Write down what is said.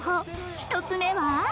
１つ目は